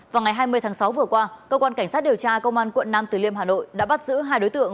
vào ngày hai mươi tháng sáu vừa qua cơ quan cảnh sát điều tra công an quận nam từ liêm hà nội đã bắt giữ hai đối tượng